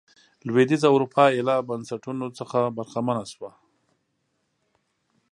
لوېدیځه اروپا ایله بنسټونو څخه برخمنه شوه.